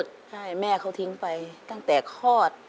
ใช่แม่เขาทิ้งไปตั้งแต่คลอด